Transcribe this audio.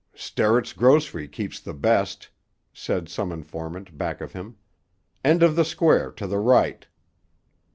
"Sterrett's grocery keeps the best," said some informant back of him. "End of the Square to the right."